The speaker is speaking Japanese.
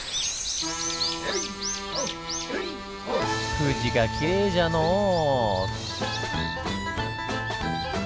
富士がきれいじゃのぉ。